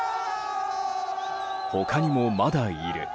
他にもまだいる。